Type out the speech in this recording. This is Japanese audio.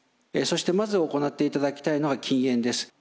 そしてまず行っていただきたいのは禁煙です。